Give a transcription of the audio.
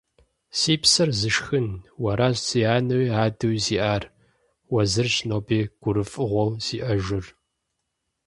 Си псэр зышхын, уэращ сэ анэуи адэуи сиӏар. Уэ зырщ ноби гурыфӏыгъуэу сиӏэжыр.